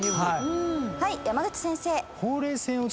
はい山口先生。